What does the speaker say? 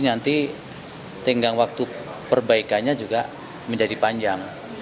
nanti tenggang waktu perbaikannya juga menjadi panjang